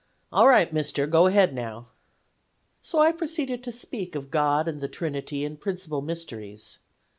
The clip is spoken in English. "'All right, Mister, go ahead now.' "So I proceeded to speak of God and the Trinity and principal mysteries.